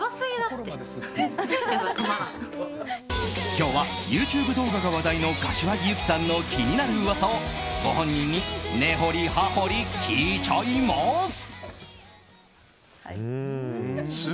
今日は、ＹｏｕＴｕｂｅ動画が話題の柏木由紀さんの気になる噂をご本人に根掘り葉掘り聞いちゃいます。